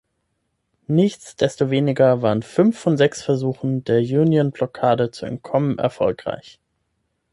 Nichtsdestoweniger waren fünf von sechs Versuchen, der Union-Blockade zu entkommen, erfolgreich.